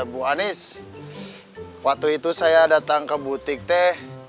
bu anies waktu itu saya datang ke butik teh